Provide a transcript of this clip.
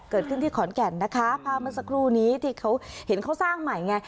เกิดขึ้นที่ขอนแก่นนะคะภาพเมื่อสักครู่นี้ที่เขาเห็นเขาสร้างใหม่ไง